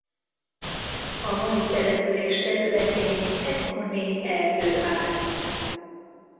A mai település területén ekkor még erdő állt.